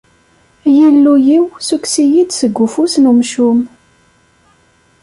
Ay Illu-iw, ssukkes-iyi-d seg ufus n umcum.